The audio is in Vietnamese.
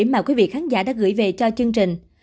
mà quý vị khán giả đã gửi về cho chương trình